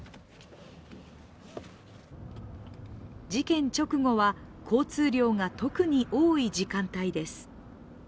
事件直後は交通量が特に多い時間帯です。